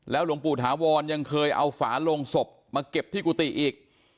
หลวงปู่ถาวรยังเคยเอาฝาโลงศพมาเก็บที่กุฏิอีก